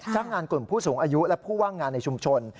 จ้างงานกลุ่มผู้สูงอายุและผู้ว่างงานในชุมชน